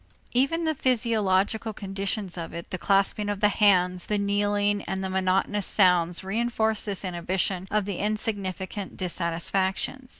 Even the physiological conditions of it, the clasping of the hands, the kneeling, and monotonous sounds reënforce this inhibition of the insignificant dissatisfactions.